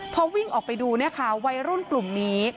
พอวิ่งออกไปดูเนี่ยค่ะวัยรุ่นกลุ่มนี้